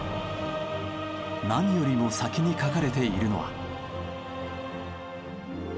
何よりも先に書かれているのは。